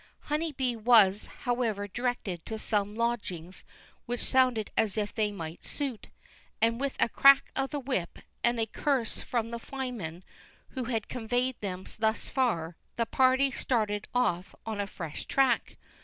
Honeybee was, however, directed to some lodgings which sounded as if they might suit, and with a crack of the whip, and a curse from the flyman, who had conveyed them thus far, the party started off on a fresh tack.